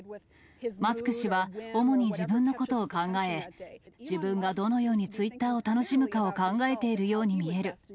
マスク氏は、主に自分のことを考え、自分がどのようにツイッターを楽しむかを考えているように見える。